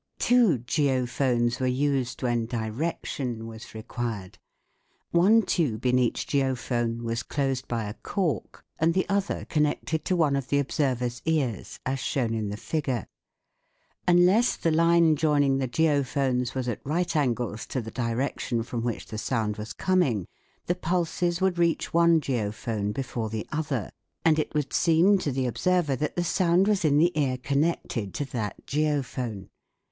Two geophones were used when direction was required. One tube in each geophone was closed by a cork and the other connected to one of the observer's ears, as shown in the figure. Unless the line joining the geophones was at right angles to the direction from which the sound was coming, the pulses would reach one geophone before the other, i8o THE WORLD OF SOUND and it would seem to the observer that the sound was in the ear connected to that geophone.